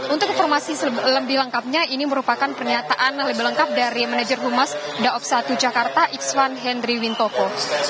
untuk informasi lebih lengkapnya ini merupakan pernyataan lebih lengkap dari manager humas daopsatu jakarta x satu hendri wintoko